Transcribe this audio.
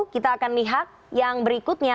kita akan lihat yang berikutnya